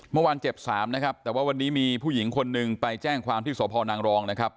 เมื่อวานเจ็บสามนะครับแต่ว่าวันนี้มีผู้หญิงคนหนึ่งไปแจ้งความที่สพนางรองนะครับ